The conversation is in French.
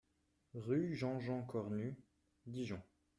Rue Jean-Jean Cornu, Dijon